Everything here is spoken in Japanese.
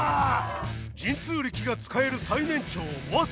神通力が使える最年長ワサ。